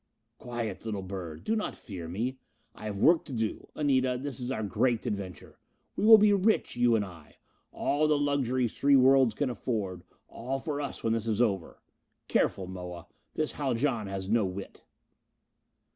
"Quiet, little bird. Do not fear me. I have work to do, Anita this is our great adventure. We will be rich, you and I. All the luxuries three worlds can offer, all for us when this is over. Careful, Moa! This Haljan has no wit."